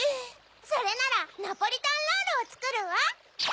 それならナポリタンロールをつくるわ。